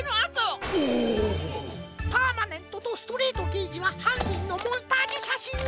パーマネントとストレートけいじははんにんのモンタージュしゃしんを！